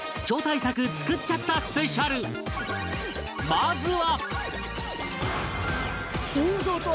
まずは